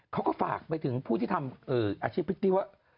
เขาก็ฝากไปถึงผู้ที่ทำอาชีพพริตตี้ว่า